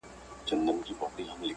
دوی په يوه وخت کي